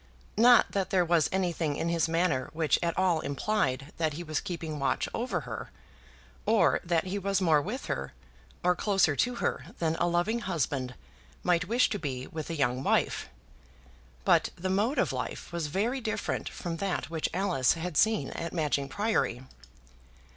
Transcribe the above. Not that there was anything in his manner which at all implied that he was keeping watch over her, or that he was more with her, or closer to her than a loving husband might wish to be with a young wife; but the mode of life was very different from that which Alice had seen at Matching Priory!